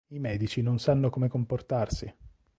I medici non sanno come comportarsi.